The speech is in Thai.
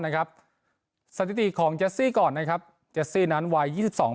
นะครับสถิติของเจสซี่ก่อนนะครับเจสซี่นั้นวัยยี่สิบสอง